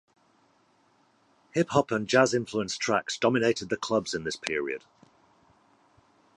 Hip hop and jazz influenced tracks dominated the clubs in this period.